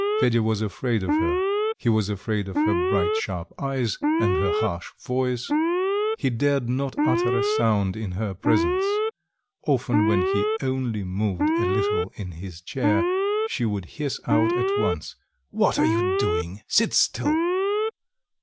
Fedya was afraid of her: he was afraid of her bright sharp eyes and her harsh voice; he dared not utter a sound in her presence; often, when he only moved a little in his chair, she would hiss out at once: "What are you doing? sit still."